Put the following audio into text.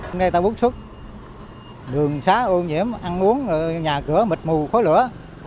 hôm nay ta bước xúc đường xá ô nhiễm ăn uống nhà cửa mịt mù khói lửa